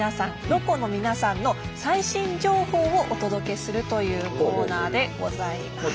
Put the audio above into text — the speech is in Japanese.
ロコの皆さんの最新情報をお届けするというコーナーでございます。